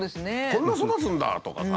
こんな育つんだ！とかさ。